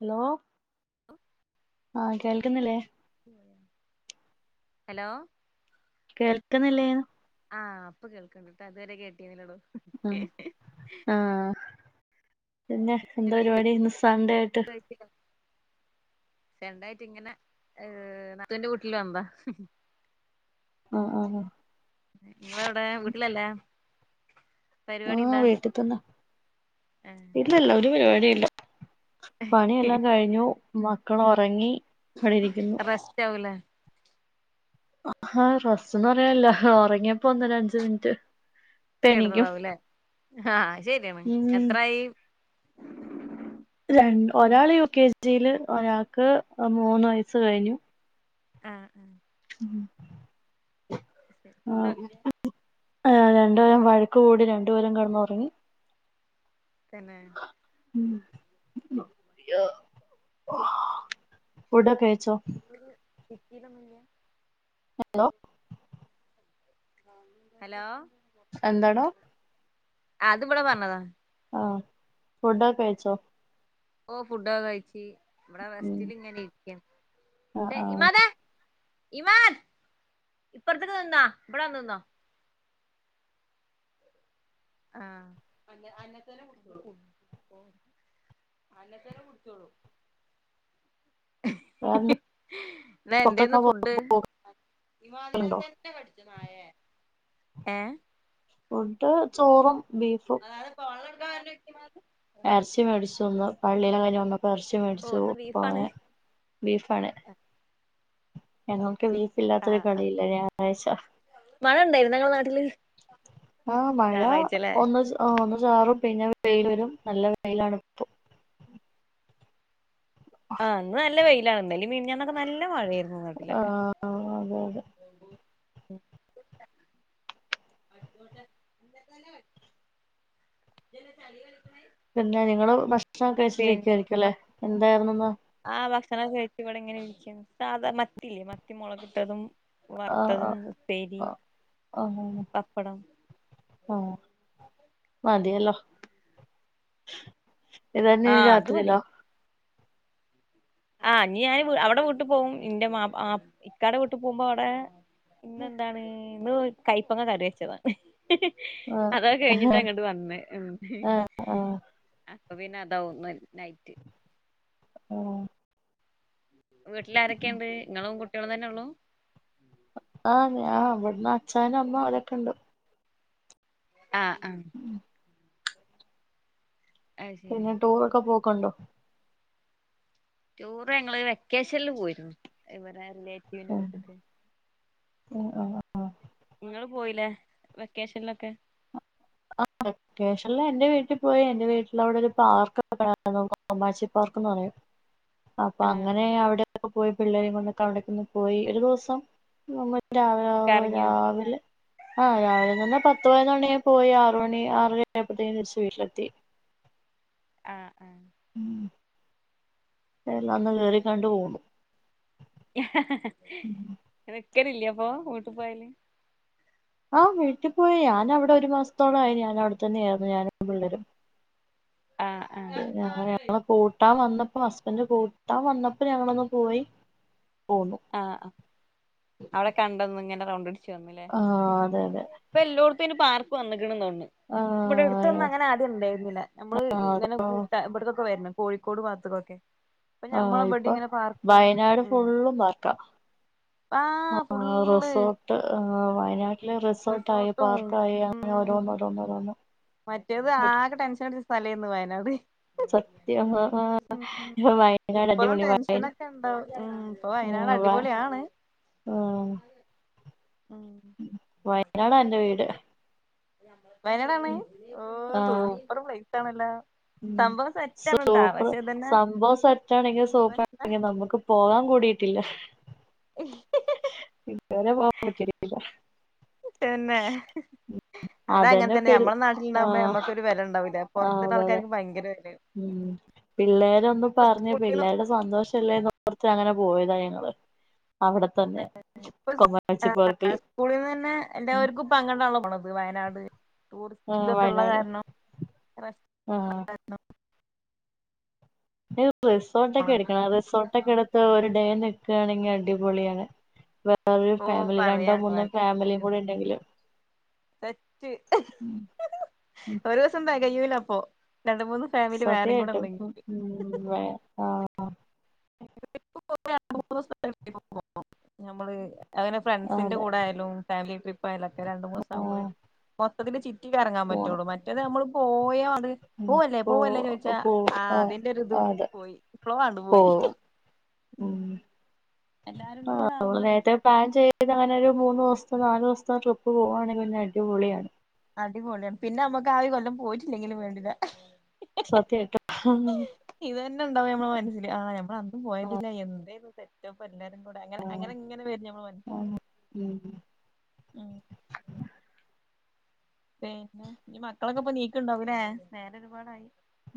Hello ആഹ് കേൾക്കുന്നില്ലേ hello കേൾക്ക്ന്നില്ലേ? ആഹ് പ്പൊ കേൾക്ക്ണ്ട്ട്ടാ തുവരെ കേട്ടിന്നില്ലടോ. ഉ ആഹ് പിന്നെ എന്താ പരിപാടി ന്ന് സൺഡേ ആയ്ട്ട്? രണ്ടായ്റ്റ്ങ്ങനെ ഏഹ് നാത്തൂൻ്റെ വീട്ട്ല് ന്ന്താ. ആഹ് ആഹ് അഹ് ങ്ങളെവടെ വീട്ടിലല്ലേ പരിപാടി ആഹ് എന്താ വീട്ടിത്തന്ന ഏഹ് ഇല്ലല്ല ഒരു പരിപാടീംല്ല. പണിയെല്ലാം കഴിഞ്ഞു മക്കള് ഒറങ്ങി. റസ്റ്റവുലേ? ആഹ റസ്റ്റന്ന് പറയാല്ല ഒറങ്ങ്യപ്പൊങ്ങനഞ്ച് മിൻറ്റ്. കിടന്നതവുലെ ആഹ് അതു ശെരിയാണ്. ഉം എത്ര ആയി രണ്ട് ഒരാള് യു കെ ജി ല് ഒരാൾക്ക് മൂന്ന് വയസ്സ് കഴിഞ്ഞു ആഹ് ആഹ്. [inaudible] ആഹ് ഫുഡ് ആഹ് രണ്ട്പേരും വഴക്ക് കൂടി രണ്ട്പേരും കടന്നാെറ്ങ്ങി തന്നേ ഉം യ്യോ ഫുഡൊക്കെ കയ്ച്ചോ ചിക്കീട്ടൊന്നുല്ല്യാ ഹലോ ഹലോ എന്താണോ അത് ഇവിടെ പറഞ്ഞതാ ആഹ് ഫുഡൊക്കെ കഴിച്ചോ ഓഹ് ഫുഡൊകെ കഴിച്ച് ഇവടെ ഉം റെസ്റ്റിലിങ്ങനെ ഇരിക്കാണ് ആഹ് ആഹ് [unintelligible] ഇവാൻ ഇപ്പർത്ത്ക്ക് തിന്നോ ബടെ വന്ന് നിന്നോ ആഹ് അങ്ങൻ അങ്ങൻത്തന്നെ കുട്ടോളൂ വേറെന്താ ല്ലാ എന്തേന്ന് പുറത്തൊക്കെ ഫുഡ് പോകലുണ്ടോ ന്താ കടിച്ചു നായേ ഏഹ് ഒണ്ട് ചോറും ബീഫും [unintelligible] എർച്ചി മേടിച്ചു ന്ന് പള്ളിയെല്ലാം കയ്ഞ്ഞ് വന്നപ്പൊ എർച്ചി ഓ മേടിച്ചു ഇന്ന് പ്പ ബീഫാണ് അങ്ങനെ ബീഫാണ് ഞങ്ങൾക്ക് ബീഫ് ഇല്ലാത്തൊരു ആഹ് ആഹ് കളിയില്ല ഞായറാഴ്ച്ചാ മഴ ഉണ്ടായിരുന്നോ നിങ്ങളെ നാട്ടില് ആ മഴ ഞായറാഴ്ചല്ലേ ഒന്ന് ച് ഒന്ന് ചാറും പിന്നെ വെയ്ലെരും നല്ല വെയ്ലാണ്പ്പാെ ആഹ് ഇന്ന് നല്ല വെയ്ലാണ് ഇന്നലിം മീൻഞ്ഞാന്നാെക്കെ നല്ല മഴേര് ആ ആ അതെ അതെ പിന്നെ നിങ്ങള് ഭക്ഷണം ഒക്കെ കഴിച്ചിട്ടിരിക്കുവായിരിക്കും അല്ലെ എന്തായിരുന്നുന്ന് ആ ഭക്ഷണം കഴിച്ച് ഇവടെ എങ്ങനെ ഇരിക്കുന്നു സാധാ മത്തിയില്ലേ മത്തി മുളകിട്ടതും ആഹ് വറുത്തതും, ആഹ് ഉപ്പേരി, ആഹ് പപ്പടം ആഹ് മതിയല്ലോ ഇതന്നെ ഞ്ഞി ആഹ് അത് മതി രാത്രിയിലോ ആ ഇഞ്ഞി ഞാൻ അവിടെ വീട്ടി പോവും ഇന്റെ ഇക്കാടെ വീട്ടി പോകുമ്പോ അവിടെ ഇന്നെന്താണ് ഇന്ന് കയ്പ്പങ്ങ കറി വെച്ചതാണ് ആഹ് അതൊക്കെ കഴിഞ്ഞിട്ട ആഹ് ഇങ്ങട്ട് വന്ന അപ്പൊ പിന്നെ അതാവുന്നു ന്ന് നൈറ്റ് ആ വീട്ടിൽ ആരൊക്കെ ഉണ്ട് നിങ്ങളും കുട്ടികളും തന്നെ ഉള്ളൂ ആഹ് ഞാൻ അവിടുന്ന് അച്ഛൻ, അമ്മ അവരൊക്കെ ഉണ്ട് ആഹ് ആ അത് പിന്നെ ശെരിയാ ടൂറൊക്കെ പോക്ക്ണ്ടോ ടൂറ് ഞങ്ങള് വെക്കേഷനിൽ പോയിരുന്നു ഇവടെ റിലേറ്റീവിന് ഉം വീട്ടിക്ക് ഉം നിങ്ങള് പോയില്ലേ വെക്കേഷനിലൊക്കെ ആ [inaudible] ക്കേഷനിൽ എന്റെ വീട്ടിൽ പോയി എന്റെ വീട്ടിൽ അവിടെ ഒരു പാർക്ക് [inaudible] പാർക്ക് എന്ന് പറയും അപ്പൊ ആഹ് അങ്ങനെ ആഹ് അവിടെ പോയി പിള്ളേരി കൊണ്ട് അവിടക്കെ പോയി ഒരു ദിവസം നമ്മ രാവിലെ ര കറങ്ങിയോ രാവിലെ ആഹ് രാവിലെന്ന്ന്നാ പത്ത് പതിനൊന്നണിയാ പോയി ആറ് മണി ആറര ആയപ്പോഴത്തേനി തിരിച്ച് വീട്ടിലെത്തി ആഹ് ആഹ് എല്ലാംന്ന് കയറിക്കണ്ടു പോന്നു നക്കലില്ലപ്പൊ വീട്ട് പോയാല് ആ വീട്ടിൽ പോയി ഞാൻ അവിടെ ഒരു മാസത്തോളായി ഞാൻ അവിടെത്തന്നെ ആയിര്ന്ന് ഞാനും പിള്ളേരും ആ ഞങ്ങളെ കൂട്ടാൻ വന്നപ്പോ ഹസ്ബൻന്റ് കൂട്ടാൻ വന്നപ്പോ ഞങ്ങളൊന്ന് പോയി പോന്നു ആഹ് ആ അവിടെ കണ്ടന്ന് ഇങ്ങനെ റൗണ്ട് ആ അതെ അതെ ഇപ്പോ എല്ലോട്ത്തും അയ്ന് പാർക്ക് വന്ന്ക്ക്ണ്ന്ന് പറഞ്ഞു. ഇവിടെ ആഹ് അടുത്തൊന്നും അങ്ങനെ ആദ്യംണ്ടായിരുന്നില്ല നമ്മള് ഇങ്ങനെ കൂട്ടാ ഇവിടക്കൊക്കെ വരുന്നു കോഴിക്കോട് ഭാത്ത്ക്കൊക്കെ ആ് ഇപ്പൊ വയനാട് ഫുള്ളും പാർക്കാ ആ ഫുള്ള് വയനാട്ടില് റിസോർട്ടായി റിസോർട്ടും പാർക്കായി അങ്ങനെ ഉം ഓരോന്ന് ഓരോന്ന് ഓരോന്ന് മറ്റേത് ആകെ ടെൻഷനടിച്ച സ്ഥലായിരുന്നു വയനാട്. സത്യം ആഹ് ഉം വയനാട് ഇപ്പളും അടിപൊളി വയ ടെൻഷനൊക്കെണ്ടാവും ഉം ഇപ്പൊ വയനാട് അടിപൊളി ആണ് ആഹാ.. ! ഉം വയനാടാന്റെ വീട് വയനാടാണ് ഓ ആഹ് സൂപ്പർ പ്ലേസണല്ലോ ഉം സൂപ്പർ സംഭവം സെറ്റാണെങ്കിൽ സൂപ്പർ പ്രശ്നം ആങ്ക [unintelligible] നമുക്ക് പോകാൻ കൂടിട്ടില്ല ഇതുവരെ പോകാൻ പറ്റീട്ടില്ല തന്നെ ഹ അത് അങ്ങനെ അതന്നെ തന്നെ പിള്ള നമ്മളെ നാട്ടിലുണ്ടാകുമ്പോ ആഹ് ഞമ്മക്കൊരു വെല ഉണ്ടാവൂല്ല ആഹ് പൊറത്തുള്ള അതെ അതെ ആൾക്കാർക്ക് ഭയങ്കര വെലാണ് ഉം പിള്ളേരൊന്ന് പറഞ്ഞ് പിള്ളേരുടെ സന്തോഷംല്ലേന്നോർത്ത് അങ്ങനെ പോയതാ ഞങ്ങള് അവിടെ തന്നെ [unintelligible] ഇപ്പൊ പാച്ചിപ്പാർക്കില് സ്കൂളിൽ നിന്ന് തന്നെ എല്ലാവർക്കും ഇപ്പ അങ്ങട്ടാണല്ലോ പോണത് വയനാട് ടൂറിസ്റ്റ് ആഹ് ഇതൊക്കെ ഉള്ള വയനാട് കാരണം ആഹ് [unintelligible] റിസോർട്ട് ഒക്കെ എടുക്കണം റിസോർട്ട ഒക്കെ എടുത്ത് ഇപ്പം ഒരു ഡേ നിൽക്കുകയാണെങ്കി അടിപൊളിയാണ് വേറൊരു ഓ ഫാമിലി രണ്ടോ പറയാണ്ടോ മൂന്നോ ഫാമിലിയും കൂടി ഉണ്ടെങ്കിലും സെറ്റ് ഉം ഉം ഒരു ദിവസം തെകയ്യൂല അപ്പൊ രണ്ട് മൂന്ന് ഫാമിലി വേറെയും കൂടെ സത്യായിട്ടും ഉണ്ടെങ്കിൽ ഉം വേ ആ ട്രിപ്പ് പോയ രണ്ട് മൂന്ന് ദിവസം [unintelligible] നമ്മള് അങ്ങനെ ഫ്രണ്ട്സിന്റെ അതെ കൂടെ ലും ഫാമിലിട്രിപ്പ് ആയാലൊക്കെ രണ്ടൂ മൂന്ന് ദിവസ ആകുമ്പോളെ ആഹ് മൊത്തത്തില് ചിറ്റി കറങ്ങാൻ പോണം പറ്റുള്ളൂ മറ്റേത് നമ്മള് പോയാത് ഉം പൂവല്ലേ പോ പൂവല്ലേന്ന് ചോദിച്ചാ പോ ആ ആഹ് അതിന്റെ ഒരു ഇത് അതെ പോയി ഫ്ലോആണ്ട് പോയി പോവും ഉം എല്ലാരും ആ കൂടെ നമ്മൾ ആകുമ്പോ നേര്ത്തെ പ്ലാൻ ചെയ്ത് അങ്ങനെ ഒരു മൂന്ന് ദിവസോ നാല് ദിവസോ ട്രിപ്പ് പോവാണെങ്കിൽ പിന്നെ അടിപൊളിയാണ് അടിപൊളിയാ പിന്നെ നമുക്ക് ആ ഒരു കൊല്ലം പോയിട്ടില്ലെങ്കിലും വേണ്ടില്ല സത്യായിട്ടും ഹം ഇത് തന്നെ ഉണ്ടാവും നമ്മളെ മനസ്സിൽ ആ ഞമ്മള് അന്ന് പോയതില്ല എന്തേയിരുന്നു സെറ്റപ്പ് എല്ലാരും കൂടെ അങ്ങനെ അങ്ങനെ ഇങ്ങനെ വരുംനമ്മള് മൻസ്സ്ക്ക് ഉം പിന്നെ ഇഞ്ഞി മക്കളൊക്കെ ഇപ്പൊ നീക്ണ്ടാവുലേ നേരഒരുപാടായി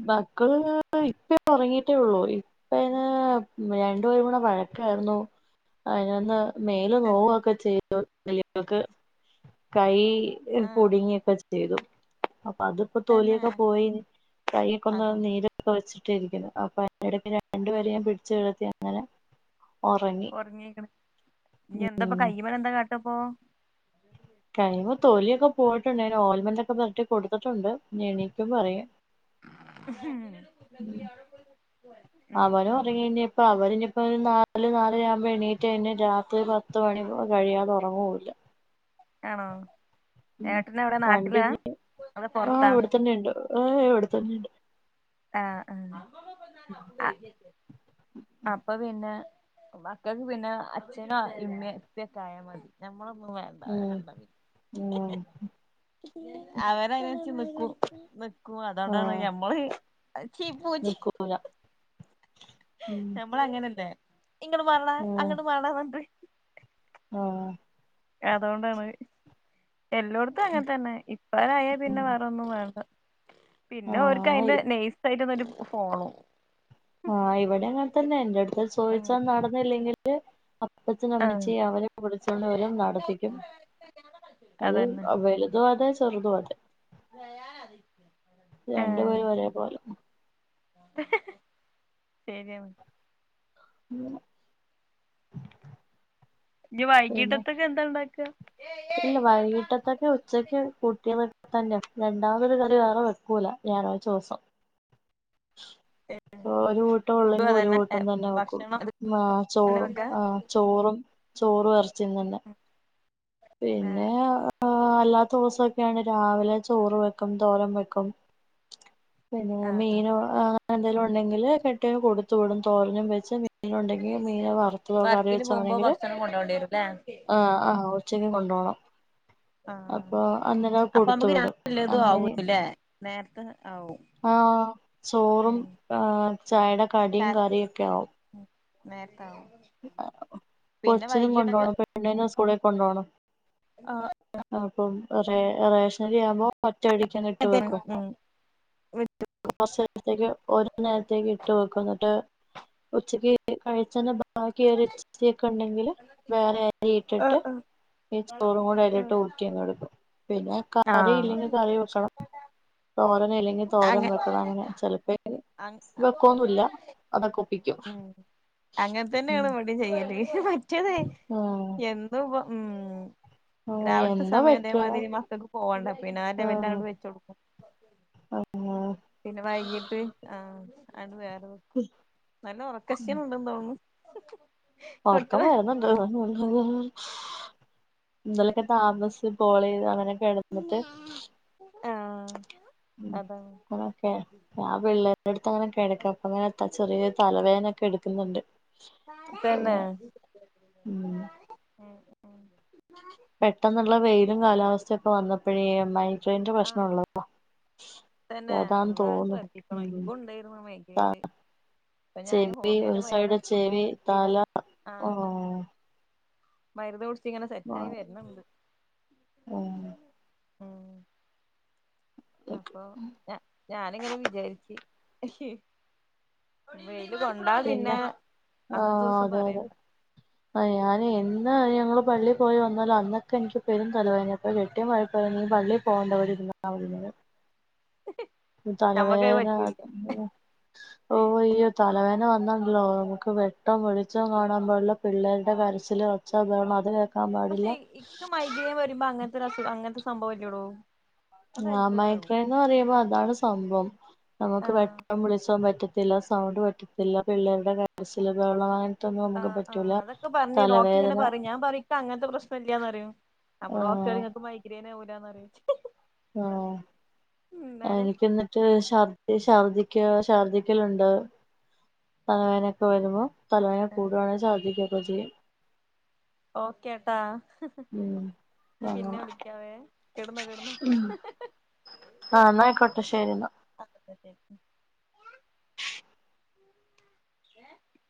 മക്കള് ഇപ്പേ ഉറങ്ങീട്ടേ ഉള്ളൂ ഇപ്പ അയിന് രണ്ടു പേരും കൂടെ വഴക്കായിരുന്നു അതിനൊന്ന് മേല് തന്നെ നോവൊക്കെ ചെയ്തു വെല്ലിപ്പക്ക് കൈ ആ കുടുങ്ങിയൊക്കെ ചെ ചെയ്തു അപ്പൊ അതിപ്പോ തന്നെ തോലിയൊക്കെ പോയി കൈ ഒക്കെ ഒന്ന് അതാ നീര് [unintelligible] അപ്പൊ അതിനിടയ്ക്ക് രണ്ടുപേരെ ഞാൻ പിടിച്ചിരിത്തി അങ്ങനെ ഒറങ്ങി ഒറങ്ങീക്ക്ണ് ഇനി എന്താപ്പ കയ്യിമ്മേ എന്താ കാട്ടപ്പോ കയ്യിമ്മേ തോലിയൊക്കെ പോയിട്ടുണ്ടായിനു ഓയിൽ മെൻ്റൊക്കെ പരട്ടി കൊടുത്തിട്ടുണ്ട് ഇഞ്ഞ് എണീക്കുമ്പം അറിയാം ഉം ഉം ഇനിപ്പോ അവര്ഞ്പ്പൊ ഒരു നല് ഓല് നാല് മണി ആവുമ്പോൾ എണീറ്റാ കഴിഞ്ഞ രാത്രി പത്ത് മണി കഴിയാതൊറങ്ങൂല്ല ആണോ ഉം. ഏട്ടന് എവിടെ നാട്ടിലാ അതോ പൊറത്താ തന്നെ ഉണ്ടോ ഓ ഇവിടെ തന്നെയുണ്ട് ആ ആ അപ്പൊ പിന്നെ മക്കൾക്ക് പിന്നെ അച്ഛനോ ഇമ്മ ഇപ്പയൊക്കെ ആയാൽ മതി ഞമ്മളൊന്നും വേ ഉം ഉം [unintelligible] അവരയ്നൻസരിച്ച് നിക്കും ആ അതോണ്ടാണ് ഞമ്മള് [unintelligible] ക്കൂലാ ഉം നമ്മള അങ്ങനെന്ന ഇങ്ങട് മണ്ടാ അങ്ങട്ട് മാണ്ടാ പർഞ്ഞിട്ട് ആഹ് അതൊണ്ടാണ് എല്ലോട്ത്തും അങ്ങനെ തന്നെ ഇപ്പാരായാൽ പിന്നെ ഉം. വേറെ ഒന്നും വേണ്ട ആ പിന്നെ ഓർക്ക് അതിന്റെ ഇ- നെയ്സ് ആയിട്ടന്നരു ഫോണു ആഹ് ഇവിടെ അങ്ങനെത്തന്നെ എന്റെ അടുത്ത് ഉം ചോദിച്ചാ നടന്നില്ലെങ്കില് ആഹ് മപ്പത്തിനമ്മിച്ച് അവരെ കുളിച്ചൊണ്ട് ഓലും നടപ്പിക്കും അതന്നെ അത് വലുതും അതെ ചെറുതും അതെ സയാൻ രണ്ടുപേരും ഒരേ പോലെ ശരിയണ് ഉ ഇനി വൈകീട്ടത്തക്ക് ന്താ ഇണ്ടാക്ക ഇല്ല വൈകീട്ടത്തക്ക് ഉച്ചക്ക് കൂട്ട്യ മ തന്നെ രണ്ടാമതൊരു കടി വേറെ വെക്കൂല ഞായറാഴ്ച്ചോസം ഒരു കൂട്ടം ഫുഡും ഉള്ളെങ്കി ഒരു അതന്നെ കൂട്ടം തന്നെ വെക്കും ഭക്ഷണം അത് ആഹ് തന്നെ ചോറും വെക്കാ ആഹ് ചോറും ചോറ് എറച്ചിം തന്നെ പിന്നെ അല്ലാത്ത ദിവസൊക്കെയാണെ രാവിലെ ചോറ് വെക്കും തോരം വെക്കും പിന്നെ മീന എന്തെങ്കലും ഉണ്ടെങ്കില് കെട്ടിയും കൊടുത്തു വിടും തോരനും വെച്ച് മീന ഉണ്ടെങ്കിൽ മീന് വറുത്തതോ കറി വർക്കിന് പോകുമ്പോ വെച്ചാണെങ്കില് ഭക്ഷണം കൊണ്ടോണ്ടി വരുംല്ലേ ആഹ് ആഹ് ഉച്ചക്ക് കൊണ്ടു പോണം ആഹ് അപ്പ കൊടുത്തു മക്ക് വിടും രണ്ട്ല്ലത് അങ്ങനെ ആവൂല്ലേ നേരത്തെ ആവും ആഹ് ചോറും ഉം ചായെടെ കടിയും കറിയൊക്കെ ആകും ഉം നേരത്തെ ആകും കൊച്ചിനും കൊണ്ടു പോണം പെണ്ണിനും സ്കൂളി കൊണ്ടോണം ആഹ് അപ്പം റേ റേഷ് ശരിയാമ്പോ ഒറ്റയടിക്കണ്ട് ഇട്ട് വെക്കും ഉം കൊറച്ചാരത്തേക്ക് ഓരോ നേരത്തേക്ക് ഇട്ട് വെക്കും ന്നിട്ട് ഉച്ചക്ക് കഴിച്ചെന്നെ ആഹ് കരറ്റ് തിരിയൊക്കെ ഉണ്ടെങ്കില് വേറെരി ഇട്ടിട്ട് ആഹ് ആഹ് ഈ ചോറും കൂടെ അയിലിട്ട് ട്ട് ഊട്ടിയങ്ങ് എടുക്കും പിന്നെ കറി ഇല്ലെങ്കിൽ ആഹ് കറി വെക്കണം തോരനല്ലെ അങ്ങ തോരം വെക്കണം അങ്ങനെ ചിലപ്പോ അങ് വെക്കൊന്നുല്ല അതൊക്കെ ഒപ്പിക്കും ഉം അങ്ങനെ ഉം തന്നെയാണ് വടെ ചെയ്യല് മറ്റെ ആഹ് എന്ത് വ് ഉം രാവിലത്തെ എന്താ സമയം വെക്കാ അതേമാതിരി മക്കൾക്ക് പോകണ്ട പിന്നെ ആഹ് ലെവല്ലാം അ കൊണ്ട് വെച്ച് കൊടുക്കും ആഹ് പിന്നെ വൈകിട്ട് ആഹ് അയ്ന് വേറെ നല്ല ഉറക്ക ഷീണണ്ട് തോന്നുന്നു ഒർക്കം കെട്ടുക വരുന്നുണ്ട് ആ ഇന്നലൊക്കെ താമസിച്ച് കോൾ ചെയത് അങ്ങനെക്കെ കെടന്നിട്ട് ആഹ് അതാണ് അങ്ങനൊകെ ഞാൻ പിള്ളേര്ടെ അടുത്ത് അങ്ങനെ കിടക്ക അപ്പ അങ്ങനെ ചെറിയ തലവേദനൊക്കെ ഇട്ക്കുന്ന്ണ്ട് തന്നെ ഉം ഉം ഉം പെട്ടെന്നുള്ള വെയിലും കാലാവസ്ഥയൊക്കെ വന്നപ്പോഴ മൈഗ്രേയിന്റെ ആഹ് പ്രശ്നം ഉള്ളത തന്നെ അള്ളാ അത് ശ്രദ്ധിക്കണം ഉം ഇക്കു ഇണ്ടേയ്ര്ന്നു മൈഗ്രേൻ ചെവി ഒരു സൈഡ് ചേവി കുടിച്ചിട്ട് തല സ്ഥിരായി ഉ ആഹ് മരുന്ന് കുടിച്ചിങ്ങനെ സെറ്റ് ആയി ഓഹ് വരണണ്ട് ഉം അപ്പൊ ഞ ഞാനിങ്ങനെ വിചാരിച്ച് വെയ്ല് കൊണ്ട പിന്നെ അന്നത്തെ ആഹ് ദിവസം അതെ പറയണ്ടാ ആ ഞാന് എന്നയ ഞങ്ങൾ പള്ളി പോയി വന്നാലോ അന്നൊക്കെ എനിക്ക് പെരും തലവേദനയാ അപ്പൊ കെട്ടിയോൻ വഴക്ക് പറയും നീ പള്ളി പോണ്ട ഇവിടെരുന്നാ മതീന്ന് നമ്മക്കത് തലവേന പറ്റൂല്ല [unintelligible] ഓഹ് അയ്യോ തലവേന വന്നണ്ടല്ലോ നമുക്ക് വെട്ടം വെളിച്ചം കാണാൻ പാടില്ല പിള്ളേരുടെ കരച്ചിൽ ഒച്ച ബഹളം അത് കേ പക്ഷെ ഇക്ക് മൈഗ്രേൻ വരുമ്പോ അങ്ങനത്തെസുഖം അങ്ങനത്തെ സംഭവം ഇല്ലെടോ ആ മൈഗ്രേന്ന് പറയുമ്പോ അതാണ് സംഭവം നമുക്ക് ആഹ് വെട്ടം വെളിച്ചം പറ്റത്തി ത്തില്ല സൗണ്ട് പറ്റത്തില്ല, പിള്ളേരുടെ കരച്ചിൽ, ബഹളം അങ്ങന ആഹ് ആഹ് അതൊക്കെ പറഞ്ഞ് ഡോക്ടർ ഇങ്ങനെ പറിം ഞാൻ പറിം ന്ക്ക് അങ്ങനത്തെ പ്രശ്നം ഇല്ലന്ന്റയും അപ്പ ആ ഡോക്ടർ പറയും ഇങ്ങക്ക് മൈഗ്രേന് ആവൂലാന്ന്റയും ആഹ് എനിക്കിന്ന് ഷർദി ഷർദിക്ക ഷർദിക്കലുണ്ടോ തലവേനൊക്കെ വരുമ്പോ തലവേന കൂടുവാണേ ഷർദിക്കൊക്കെ ചെയ്യ് ഓക്കേട്ടാ ഉം ഞ്ഞി അങ്ങനെ പിന്നെ വിളിക്കാവേ കെടന്നോ കെടന്നോ ഉം ആഹ് എന്നയിക്കോട്ടെ ശരിന്നാ [unintelligible] [inaudible]